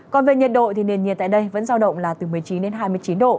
còn về nhiệt độ thì nền nhiệt tại đây vẫn giao động là từ một mươi chín đến hai mươi chín độ